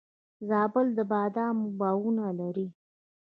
زابل د بادامو باغونه لري